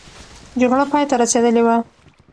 جګړه پای ته رسېدلې وه.